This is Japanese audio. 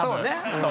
そう。